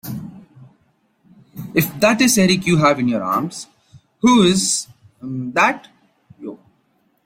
If that is Erik you have in your arms, who is — that?